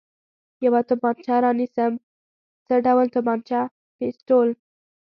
یوه تومانچه را نیسم، څه ډول تومانچه؟ پېسټول.